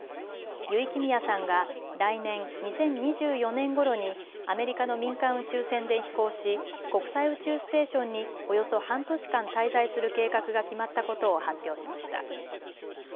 油井亀美也さんが、来年２０２４年ごろにアメリカの民間宇宙船で飛行し国際宇宙ステーションにおよそ半年間滞在する計画が決まったことを発表しました。